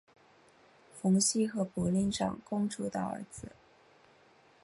冯熙和博陵长公主的儿子。